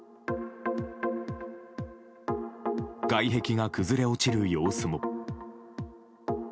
外壁が崩れ落ちる様子も。